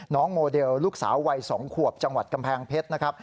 โมเดลลูกสาววัย๒ขวบจังหวัดกำแพงเพชรนะครับ